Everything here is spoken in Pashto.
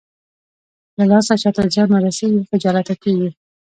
له لاسه چاته زيان ورسېږي خجالته کېږي.